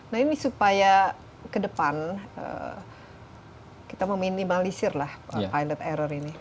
nah ini supaya ke depan kita meminimalisir lah pilot error ini